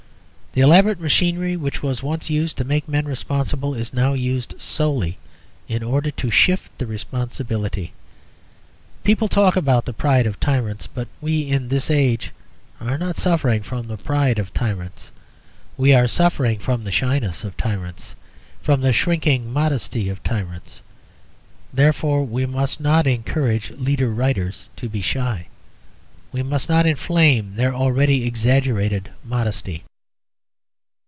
The elaborate machinery which was once used to make men responsible is now used solely in order to shift the responsibility. People talk about the pride of tyrants; but we in this age are not suffering from the pride of tyrants. We are suffering from the shyness of tyrants; from the shrinking modesty of tyrants. Therefore we must not encourage leader writers to be shy; we must not inflame their already exaggerated modesty.